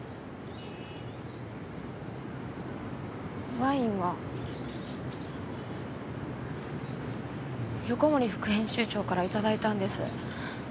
ワインは横森副編集長から頂いたんです。